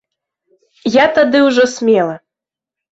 Я тады ўжо смела.